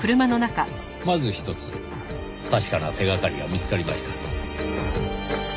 まずひとつ確かな手がかりが見つかりました。